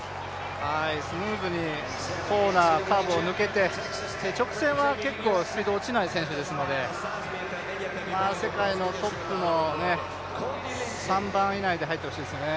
スムーズにコーナー、カーブを抜けて直線は結構スピード落ちない選手ですので、世界のトップの３番以内に入ってほしいですね。